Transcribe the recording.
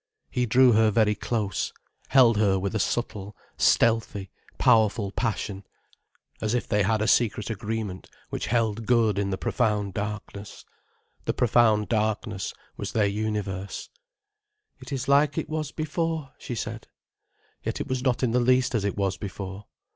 He drew her very close, held her with a subtle, stealthy, powerful passion, as if they had a secret agreement which held good in the profound darkness. The profound darkness was their universe. "It is like it was before," she said. Yet it was not in the least as it was before.